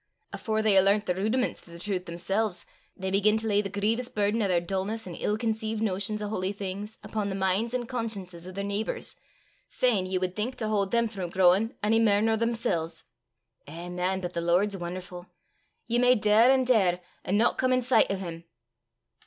Afore they hae learnt the rudimen's o' the trowth themsel's, they begin to lay the grievous burden o' their dullness an' ill conceived notions o' holy things upo' the min's an' consciences o' their neebours, fain, ye wad think, to haud them frae growin' ony mair nor themsel's. Eh, man, but the Lord 's won'erfu'! Ye may daur an' daur, an' no come i' sicht o' 'im!"